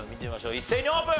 一斉にオープン！